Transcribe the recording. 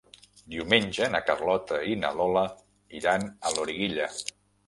Diumenge na Carlota i na Lola iran a Loriguilla.